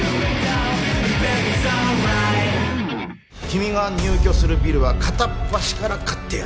君が入居するビルは片っ端から買ってやる。